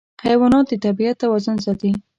حیوانات د طبیعت توازن ساتي.